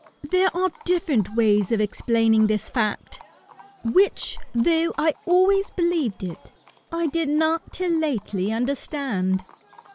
There are different ways of explaining this fact, which, though I always believed it, I did not till lately understand.